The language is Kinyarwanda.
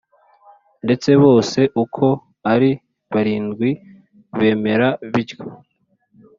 Ndetse bose uko ari barindwi bimera bityo